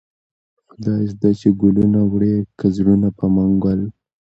خداى زده چې گلونه وړې كه زړونه په منگل